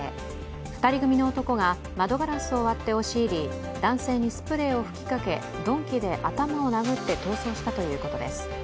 ２人組の男が窓ガラスを割って押し入り男性にスプレーを吹きかけ鈍器で頭を殴って逃走したということです。